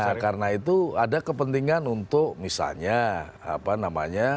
nah karena itu ada kepentingan untuk misalnya